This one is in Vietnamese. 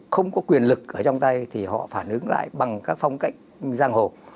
không có quyền lực ở trong tay thì họ phản ứng lại bằng các phong cách giang hồ